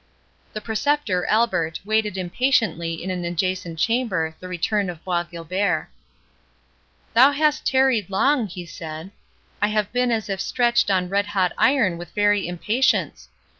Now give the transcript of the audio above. The Preceptor Albert waited impatiently in an adjacent chamber the return of Bois Guilbert. "Thou hast tarried long," he said; "I have been as if stretched on red hot iron with very impatience.